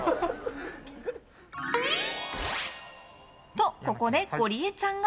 と、ここでゴリエちゃんが。